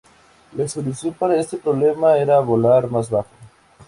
La solución para este problema era volar más bajo.